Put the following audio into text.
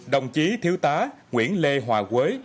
đồng chí thiếu tá nguyễn lê hòa quân